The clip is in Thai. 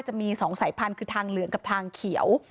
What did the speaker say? จะมี๒สายพันธุ์คือทางเหลืองกับทางเขียว